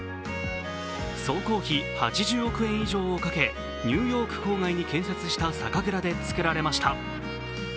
総工費８０億円以上をかけニューヨーク郊外に建設した酒蔵で造られました。